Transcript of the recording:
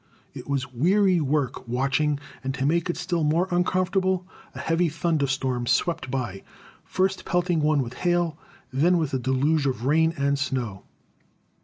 It was weary work watching, and to make it still more uncomfortable, a heavy thunder storm swept by, first pelting one with hail, then with a deluge of rain and snow.